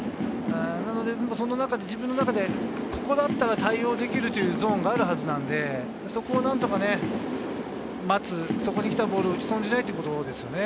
その中で自分の中でここだったら対応できるというゾーンがあると思うので、そこを何とか待つ、そこに来たボールを打ち損じないということですね。